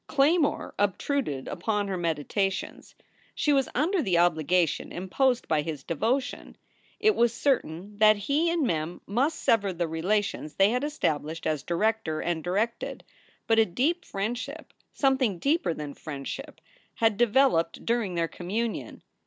Claymore obtruded upon her meditations. She was under the obligation imposed by his devotion. It was certain that he and Mem must sever the relations they had established as director and directed, but a deep friendship, something deeper than friendship, had developed during their communion.